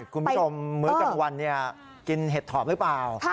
คุณผู้ชมมื้อกลางวันกินเห็ดถอบหรือเปล่า